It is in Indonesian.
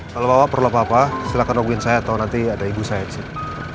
kalau bapak perlu apa apa silahkan nungguin saya atau nanti ada ibu saya disini